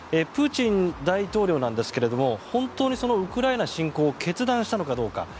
プーチン大統領なんですが本当にウクライナ侵攻を決断したのかどうか。